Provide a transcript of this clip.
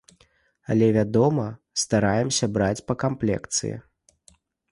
Але, вядома, стараемся браць па камплекцыі.